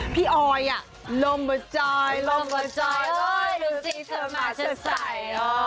พี่ออยล่มประจอยล่มประจอยรู้สึกเธอมาเฉินใส